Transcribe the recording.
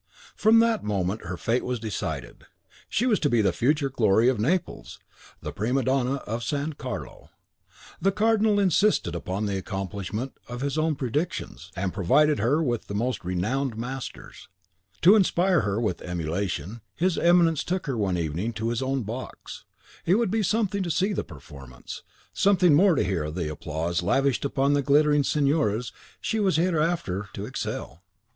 From that moment her fate was decided: she was to be the future glory of Naples, the prima donna of San Carlo. The Cardinal insisted upon the accomplishment of his own predictions, and provided her with the most renowned masters. To inspire her with emulation, his Eminence took her one evening to his own box: it would be something to see the performance, something more to hear the applause lavished upon the glittering signoras she was hereafter to excel!